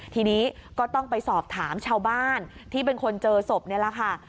ทีนี้ก็ต้องไปสอบถามชาวบ้านที่เป็นคนเจอศพนี่แหละค่ะ